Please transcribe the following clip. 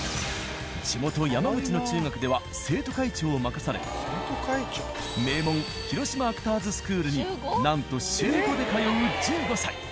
地元山口の中学では生徒会長を任され名門広島アクターズスクールになんと週５で通う１５歳。